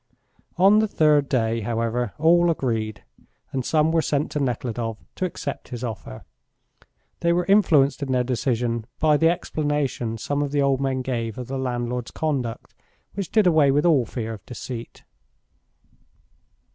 On the third day, however, all agreed, and some were sent to Nekhludoff to accept his offer. They were influenced in their decision by the explanation some of the old men gave of the landlord's conduct, which did away with all fear of deceit.